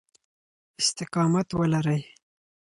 استقامت ولرئ.